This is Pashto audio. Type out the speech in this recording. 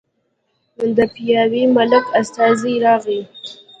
د پاياوي ملک استازی راغی